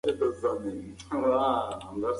زموږ کار باید د پوهې د پراختیا لپاره وي.